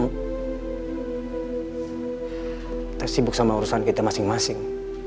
kita sibuk sama urusan kita masing masing